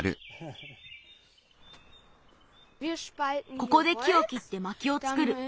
ここで木をきってまきをつくる。